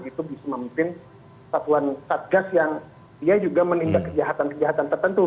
itu bisa memimpin satuan satgas yang dia juga menindak kejahatan kejahatan tertentu